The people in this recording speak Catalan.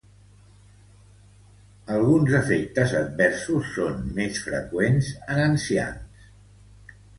Alguns efectes adversos són més freqüents en ancians.